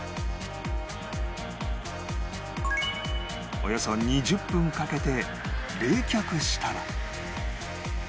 およそ２０分かけて冷却したら